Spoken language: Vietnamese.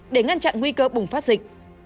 để ngăn chặn nguy cơ bùng phát dịch